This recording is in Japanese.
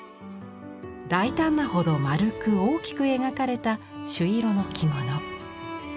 大胆なほど丸く大きく描かれた朱色の着物。